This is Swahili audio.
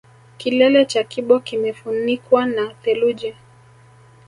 Kilele cha kibo kimefunikwa na theluji